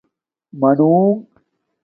مانونݣ